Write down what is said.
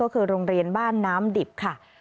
ก็คือโรงเรียนบ้านน้ำดิบค่ะ